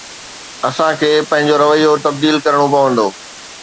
اسان کي پنهنجو رويو تبديل ڪرڻو پوندو